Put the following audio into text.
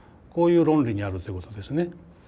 こういう論理にあるということですね。